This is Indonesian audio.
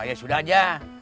ya sudah aja